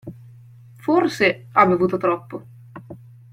Forse, ha bevuto troppo.